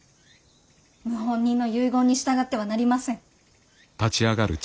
謀反人の遺言に従ってはなりません。